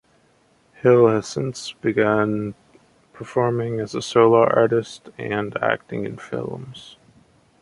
Hill has since begun performing as a solo artist and acting in films.